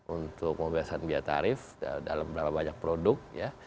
untuk pembahasan biaya tarif dalam berapa banyak produk